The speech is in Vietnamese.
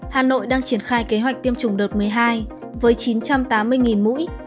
hà nội đang triển khai kế hoạch tiêm chủng đợt một mươi hai với chín trăm tám mươi mũi